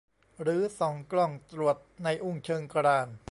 หรือส่องกล้องตรวจในอุ้งเชิงกราน